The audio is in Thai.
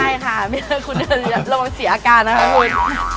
ไม่อยากให้คุณเดินลงเสียอากาศนะครับคุณ